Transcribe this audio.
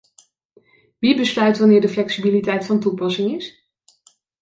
Wie besluit wanneer de flexibiliteit van toepassing is?